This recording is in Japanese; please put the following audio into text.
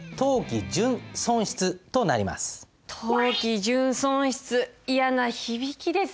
当期純損失嫌な響きですね。